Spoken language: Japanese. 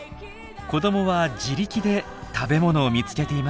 子どもは自力で食べ物を見つけていました。